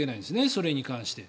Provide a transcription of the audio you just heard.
それに関して。